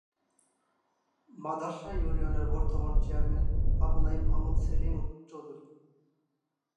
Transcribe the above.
মাদার্শা ইউনিয়নের বর্তমান চেয়ারম্যান আবু নঈম মোহাম্মদ সেলিম চৌধুরী